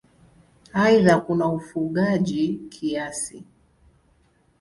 Aidha kuna ufugaji kiasi.